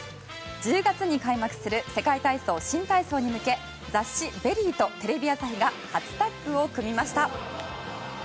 １０月に開幕する世界体操・新体操に向け雑誌「ＶＥＲＹ」とテレビ朝日が初タッグを組みました。